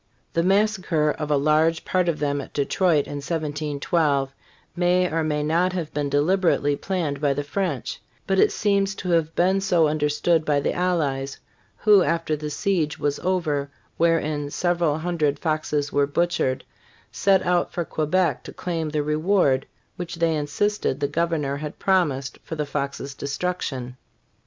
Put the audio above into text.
* The massacre of a large part of them at Detroit in 1712 may or may not have been deliberately planned by the French; but it seems to have been so under stood by the allies, who, after the siege was, over wherein several hundred Foxes were butchered, set out for Quebec to claim the reward which they insisted the governor had promised for the Foxes' destruction.!